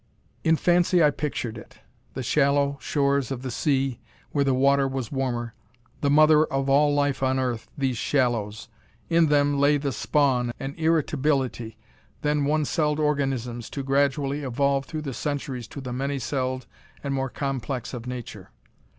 In fancy I pictured it. The shallow shores of the sea, where the water was warmer. The mother of all life on Earth, these shallows. In them lay the spawn, an irritability: then one celled organisms, to gradually evolve through the centuries to the many celled, and more complex of nature.